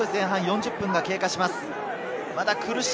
まもなく前半４０分が経過します。